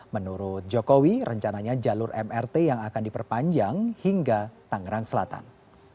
menurut jokowi rencananya jalur mrt yang akan diperpanjang hingga tangerang selatan